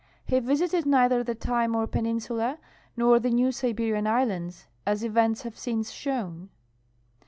He visited neither the Taimur peninsula nor the New Siberian islands, as events have since shown.